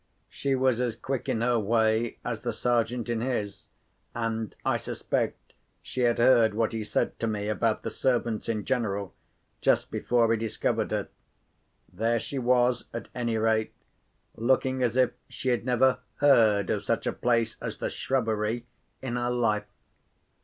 She was as quick in her way as the Sergeant in his, and I suspect she had heard what he said to me about the servants in general, just before he discovered her. There she was, at any rate, looking as if she had never heard of such a place as the shrubbery in her life.